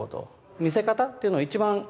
見せ方っていうのを一番